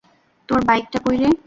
তোর বাইকটা কই রে?